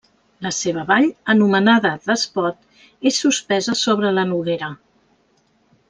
La seva vall, anomenada d'Espot, és suspesa sobre la Noguera.